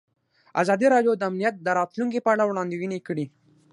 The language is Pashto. ازادي راډیو د امنیت د راتلونکې په اړه وړاندوینې کړې.